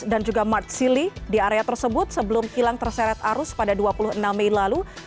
dan juga marzili di area tersebut sebelum hilang terseret arus pada dua puluh enam mei lalu